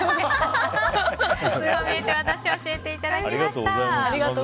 こう見えてワタシを教えていただきました。